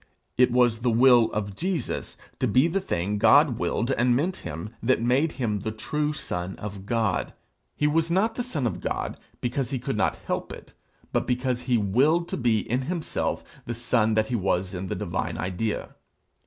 It was the will of Jesus to be the thing God willed and meant him, that made him the true son of God. He was not the son of God because he could not help it, but because he willed to be in himself the son that he was in the divine idea.